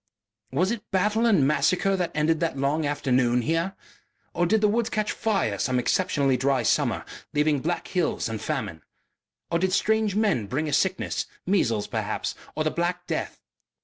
Was it battle and massacre that ended that long afternoon here? Or did the woods catch fire some exceptionally dry summer, leaving black hills and famine? Or did strange men bring a sickness measles, perhaps, or the black death?